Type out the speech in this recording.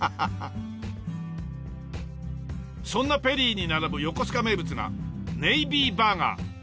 そんなペリーに並ぶ横須賀名物がネイビーバーガー。